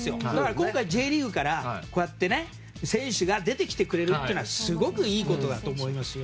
今回Ｊリーグからこうやって選手が出てきてくれるっていうのはすごくいいことだと思いますよ。